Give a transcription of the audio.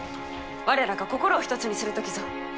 我らが心を一つにする時ぞ。